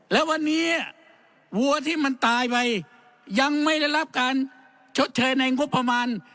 และวันนี้วัวที่มันตายไปยังไม่ได้รับการชดเชยในงบประมาณ